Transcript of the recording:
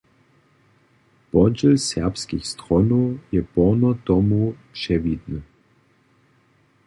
Podźěl serbskich stronow je porno tomu přewidny.